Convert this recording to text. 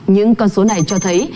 những con số này cho thấy